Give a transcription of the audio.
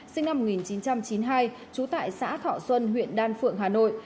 sinh năm một nghìn chín trăm chín mươi hai trú tại xã thọ xuân huyện đan phượng hà nội